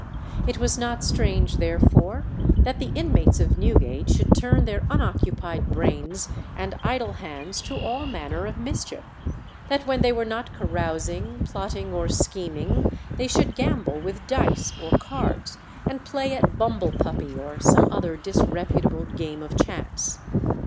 It was not strange, therefore, that the inmates of Newgate should turn their unoccupied brains and idle hands to all manner of mischief; that when they were not carousing, plotting, or scheming, they should gamble with dice or cards, and play at bumble puppy or some other disreputable game of chance.